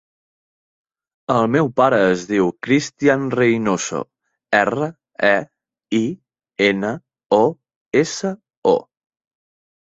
El meu pare es diu Christian Reinoso: erra, e, i, ena, o, essa, o.